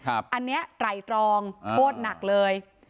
อันนี้ไตรตรองโทษหนักเลย